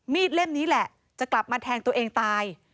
เล่มนี้แหละจะกลับมาแทงตัวเองตาย